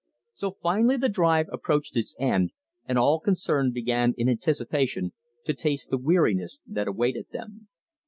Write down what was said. So finally the drive approached its end and all concerned began in anticipation to taste the weariness that awaited them.